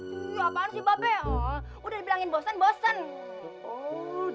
ya apaan sih mbak be udah dibilangin bosen bosen